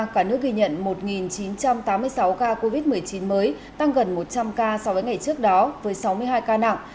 cả nước ghi nhận một chín trăm tám mươi sáu ca covid một mươi chín mới tăng gần một trăm linh ca so với ngày trước đó với sáu mươi hai ca nặng